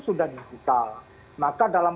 sudah digital maka dalam